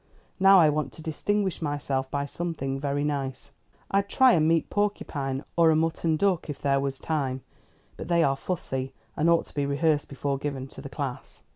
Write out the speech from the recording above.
Now I want to distinguish myself by something very nice. I'd try a meat porcupine or a mutton duck if there was time; but they are fussy, and ought to be rehearsed before given to the class.